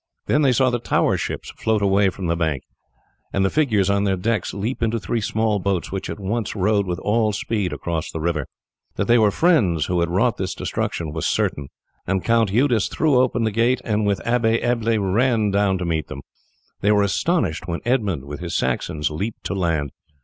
Then they saw the tower ships float away from the bank, and the figures on their decks leap into three small boats, which at once rowed with all speed across the river. That they were friends who had wrought this destruction was certain, and Count Eudes threw open the gate, and with the Abbe Ebble ran down to meet them. They were astonished when Edmund with his Saxons leaped to land.